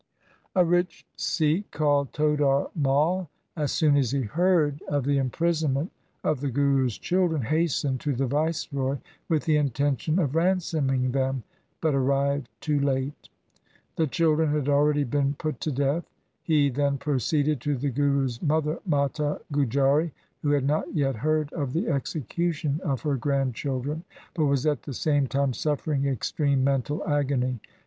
A rich Sikh called Todar Mai, as soon as he heard of the imprisonment of the Guru's children, hastened to the viceroy with the intention of ransoming them, but arrived too late. The children had been already put to death. He then proceeded to the Guru's mother Mata Gujari, who had not yet heard of the execution of her grandchildren, but was at the same time suffering extreme mental agony.